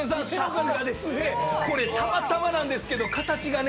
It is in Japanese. さすがですね。これたまたまなんですけど形がね